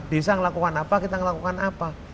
desa ngelakukan apa kita ngelakukan apa